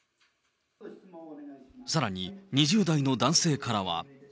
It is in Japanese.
さらに２０代の男性からは。